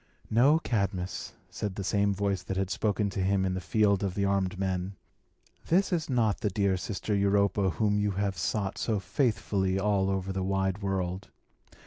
"No, Cadmus," said the same voice that had spoken to him in the field of the armed men, "this is not that dear sister Europa whom you have sought so faithfully all over the wide world.